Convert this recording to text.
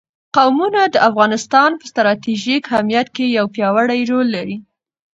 قومونه د افغانستان په ستراتیژیک اهمیت کې یو پیاوړی رول لري.